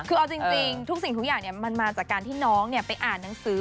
คือเอาจริงทุกสิ่งทุกอย่างมันมาจากการที่น้องไปอ่านหนังสือ